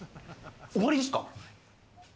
終わりですか？